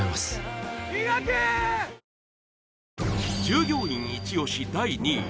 従業員イチ押し第２位